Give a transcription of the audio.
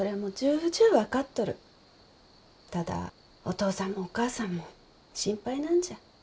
ただお父さんもお母さんも心配なんじゃ。